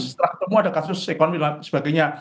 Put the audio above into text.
terakhir itu ada kasus ekonomi dan sebagainya